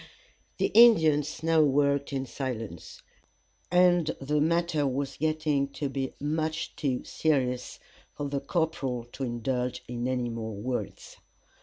The Indians now worked in silence, and the matter was getting to be much too serious for the corporal to indulge in any more words.